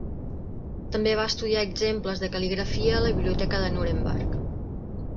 També va estudiar exemples de cal·ligrafia a la biblioteca de Nuremberg.